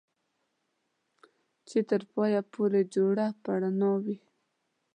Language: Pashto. چې تر پايه پورې جوړه په رڼا وي